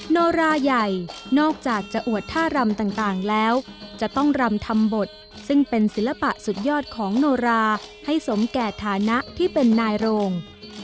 โนราใหญ่นอกจากจะอวดท่ารำต่างแล้วจะต้องรำทำบทซึ่งเป็นศิลปะสุดยอดของโนราให้สมแก่ฐานะที่เป็นนายโรง